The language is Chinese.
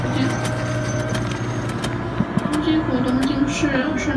东京府东京市深川区出身。